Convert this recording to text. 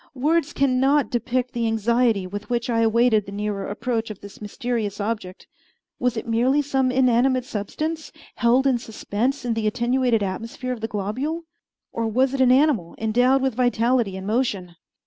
Words can not depict the anxiety with which I awaited the nearer approach of this mysterious object. Was it merely some inanimate substance, held in suspense in the attenuated atmosphere of the globule, or was it an animal endowed with vitality and motion?